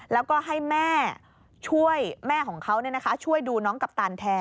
แล้วก็ให้แม่ช่วยแม่ของเขาช่วยดูน้องกัปตันแทน